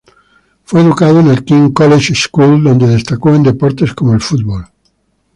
Fue educado en el King's College School, donde destacó en deportes como el fútbol.